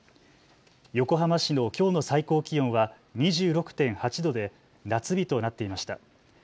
横浜市のきょうの最高気温は２６．８度で夏日となっていました。